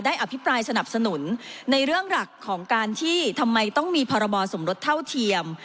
อภิปรายสนับสนุนในเรื่องหลักของการที่ทำไมต้องมีพรบสมรสเท่าเทียม